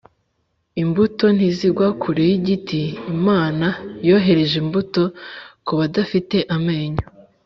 imbuto ntizigwa kure yigiti. imana yohereje imbuto kubadafite amenyo